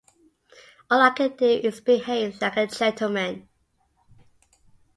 All I can do is behave like a gentleman.